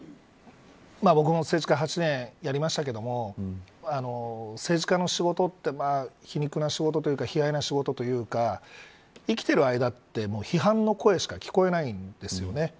僕も政治家８年やりましたが政治家の仕事って皮肉な仕事というか悲哀な仕事というか生きている間って批判の声しか聞こえないんですよね。